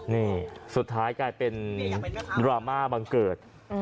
นี่สุดท้ายกลายเป็นดราม่าบังเกิด